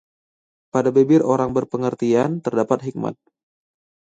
Pada bibir orang berpengertian terdapat hikmat